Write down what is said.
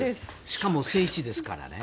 しかも聖地ですからね。